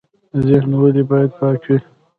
ذهن ولې باید پاک وي؟